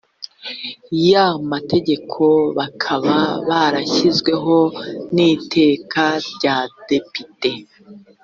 y amategeko bakaba barashyizweho n iteka rya depite